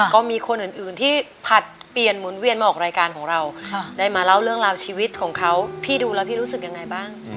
ก็มีคนอื่นที่ผลัดเปลี่ยนหมุนเวียนมาออกรายการของเราได้มาเล่าเรื่องราวชีวิตของเขาพี่ดูแล้วพี่รู้สึกยังไงบ้าง